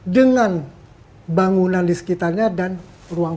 dengan bangunan di sekitarnya dan ruang